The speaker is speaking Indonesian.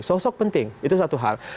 sosok penting itu satu hal